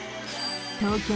東京